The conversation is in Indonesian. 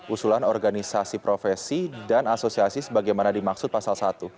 usulan organisasi profesi dan asosiasi sebagaimana dimaksud pasal satu